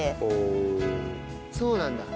そうなんだ。